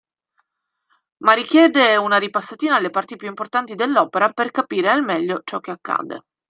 Ma richiede una ripassatina alle parti più importanti dell'opera per capire al meglio ciò che accade.